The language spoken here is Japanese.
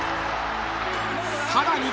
［さらに］